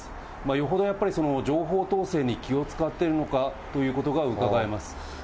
よほどやっぱり、情報統制に気を遣っているのかということがうかがえます。